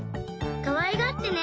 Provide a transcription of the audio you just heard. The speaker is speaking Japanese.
かわいがってね！